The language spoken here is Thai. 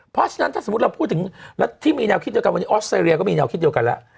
เพราะฉะนั้นถ้าสมมุติเราพูดถึงรัฐที่มีแนวคิดเดียวกันวันนี้ออสเตรเลียก็มีแนวคิดเดียวกันแล้ว